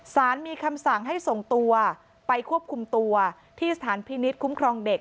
สารมีคำสั่งให้ส่งตัวไปควบคุมตัวที่สถานพินิษฐ์คุ้มครองเด็ก